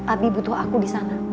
abi butuh aku di sana